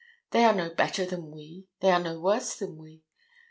They are no better than we; they are no worse than we.